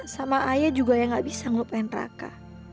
sama ayah juga yang gak bisa ngelupain raka